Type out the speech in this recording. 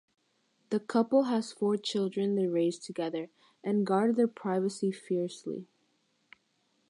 The couple has four children they raise together, and guard their privacy fiercely.